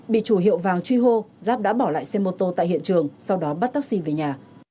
bị chủ hiệu vàng truy hô giáp đã bỏ lại xe mô tô tại hiện trường sau đó bắt taxi về nhà